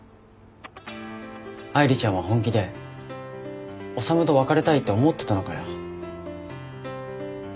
愛梨ちゃんは本気で修と別れたいって思ってたのかよ。